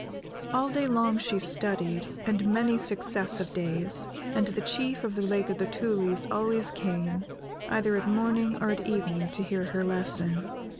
All day long she studied, and many successive days, and the Chief of the Lake of the Tulies always came, either at morning or at evening, to hear her lesson.